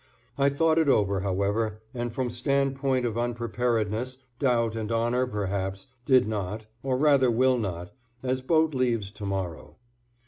I thought it over, however, and from standpoint of unpreparedness, doubt and honor perhaps did not or rather will not as boat leaves to morrow.